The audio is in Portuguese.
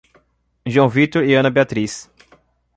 João Vitor e Ana Beatriz